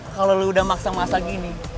kalau lo udah maksa masa gini